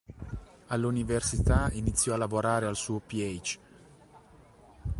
All'università iniziò a lavorare al suo "Ph.